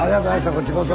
こっちこそ。